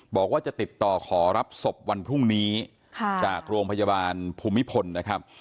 บอกว่าจะติดต่อขอรับศพวันพรุ่งนี้จากโรงพยาบาลภูมิพลนะครับ